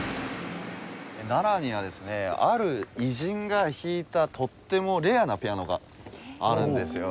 奈良にはですねある偉人が弾いたとってもレアなピアノがあるんですよね。